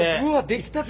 出来たて。